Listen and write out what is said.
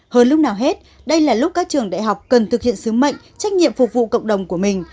hơn lúc nào hết đây là lúc các trường đại học cần thực hiện sứ mệnh trách nhiệm phục vụ cộng đồng của mình